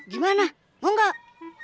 gimana mau enggak